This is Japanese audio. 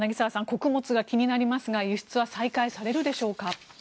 穀物が気になりますが輸出は再開されるでしょうか。